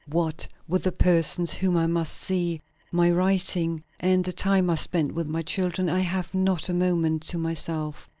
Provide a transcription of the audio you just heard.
What with the persons whom I must see, my writing, and the time I spend with my children, I have not a moment to myself.